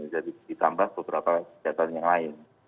jadi ditambah beberapa kesehatan yang lain